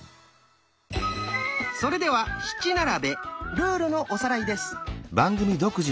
それでは「七並べ」ルールのおさらいです。